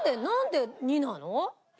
なんで２なの？